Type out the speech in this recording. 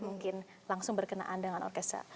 mungkin langsung berkenaan dengan orkestra